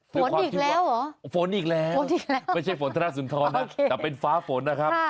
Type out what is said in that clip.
ฝนอีกแล้วเหรอฝนอีกแล้วไม่ใช่ฝนทรสุนทรแต่เป็นฟ้าฝนนะครับ